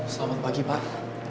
selamat pagi pak